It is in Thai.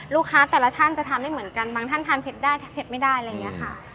ลูกค้าแต่ละท่านจะทานได้เหมือนกันบางท่านทานเผ็ดได้เผ็ดไม่ได้อะไรอย่างนี้ค่ะ